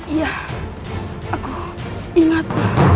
iya aku ingat